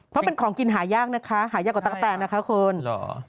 เพราะเป็นของกินหายากนะคะหายากกว่าตั๊กแตนนะคะคุณ